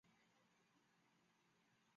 母翟氏。